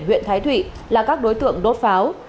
huyện thái thụy là các đối tượng đốt pháo